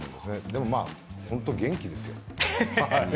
でも本当に元気ですよ。